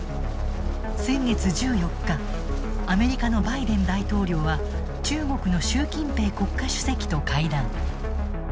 先月１４日アメリカのバイデン大統領は中国の習近平国家主席と会談。